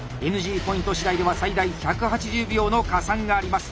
ＮＧポイント次第では最大１８０秒の加算があります！